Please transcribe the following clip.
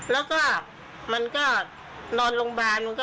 แล้วก็มันก็นอนโรงพยาบาล